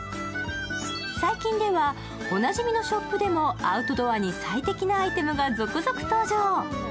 最近ではおなじみのショップでもアウトドアに最適なアイテムが続々登場。